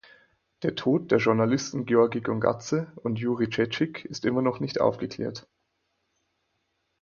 Der Tod der Journalisten Georgi Gongadse und Juri Tschetschik ist immer noch nicht aufgeklärt.